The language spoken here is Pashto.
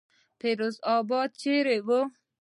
فیروز آباد چېرې وو.